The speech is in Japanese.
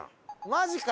マジか！